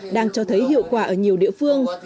đang cho thấy hiệu quả ở nhiều địa phương